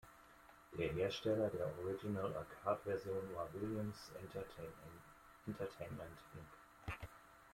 Der Hersteller der Original-Arcade-Version war Williams Entertainment Inc.